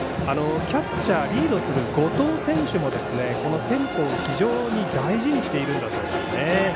キャッチャーリードする後藤選手もこのテンポを非常に大事にしているんだそうですね。